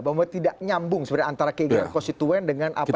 bahwa tidak nyambung sebenarnya antara keinginan konstituen dengan apa